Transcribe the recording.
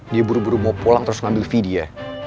dia buru buru mau pulang terus ngambil vidi ya